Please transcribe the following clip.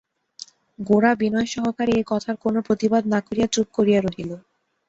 গোরা বিনয়সহকারে এ কথার কোনো প্রতিবাদ না করিয়া চুপ করিয়া রহিল।